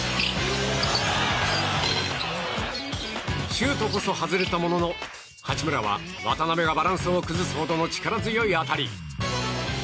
シュートこそ外れたものの八村は渡邊がバランスを崩すほどの力強い当たり！